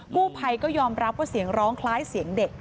กู้ภัยก็ยอมรับว่าเสียงร้องคล้ายเสียงเด็ก